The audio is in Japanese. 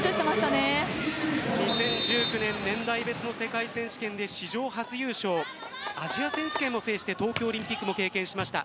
２０１９年年代別の世界選手権で史上初優勝アジア選手権も制して東京オリンピックも経験しました。